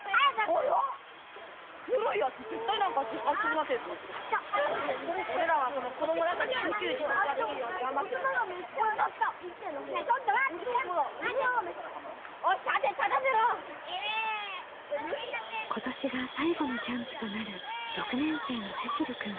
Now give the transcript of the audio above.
今年が最後のキャンプとなる６年生のせしるくん。